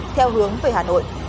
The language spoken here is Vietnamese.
theo hướng về hà nội